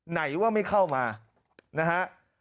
ไหนว่าไม่เข้ามานะฮะ